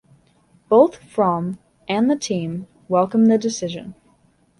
Both Froome and the team welcomed the decision.